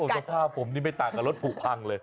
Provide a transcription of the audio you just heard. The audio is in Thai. สภาพผมนี่ไม่ต่างกับรถผูกพังเลย